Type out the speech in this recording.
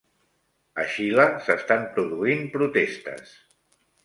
A Xile s'estan produint protestes